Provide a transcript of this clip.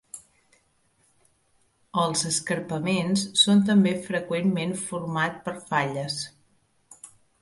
Els escarpaments són també freqüentment format per falles.